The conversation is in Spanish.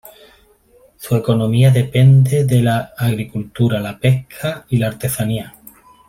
Su economía depende de la agricultura, la pesca y la artesanía.